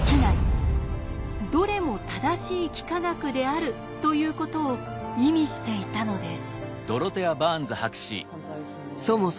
どれも正しい幾何学である」ということを意味していたのです。